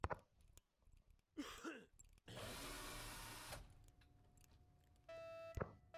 গতকাল শওকত আলী ইমনের স্টুডিওতে তাঁদের নতুন গানটি ধারণ করা হয়।